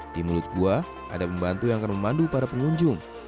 di mulut gua ada pembantu yang akan memandu para pengunjung